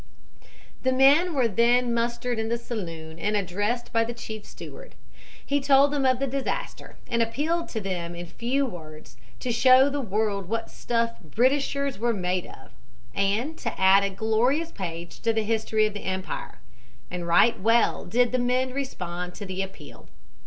"The men were then mustered in the saloon and addressed by the chief steward. He told them of the disaster and appealed to them in a few words to show the world what stuff Britishers were made of, and to add a glorious page to the history of the empire; and right well did the men respond to the appeal.